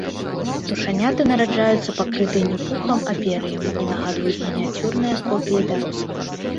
Птушаняты нараджаюцца пакрытыя не пухам, а пер'ем, і нагадваюць мініяцюрныя копіі дарослых.